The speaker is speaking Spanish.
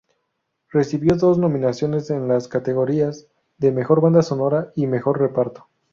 Recibió dos nominaciones en las categorías de Mejor banda sonora y Mejor Reparto.